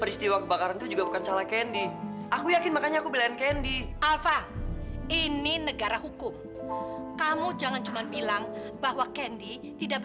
sampai jumpa di video selanjutnya